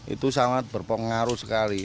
itu sangat berpengaruh sekali